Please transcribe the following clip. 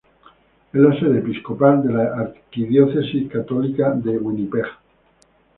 Es la sede episcopal de la archidiócesis católica de Winnipeg.